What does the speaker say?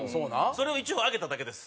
それを一応揚げただけです。